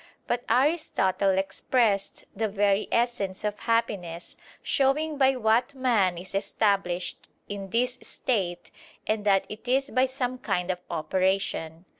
But Aristotle expressed the very essence of happiness, showing by what man is established in this state, and that it is by some kind of operation.